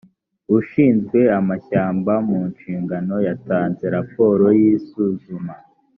ushinzwe amashyamba mu nshingano yatanze raporo y isuzuma